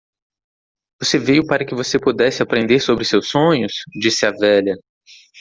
"Você veio para que você pudesse aprender sobre seus sonhos?" disse a velha.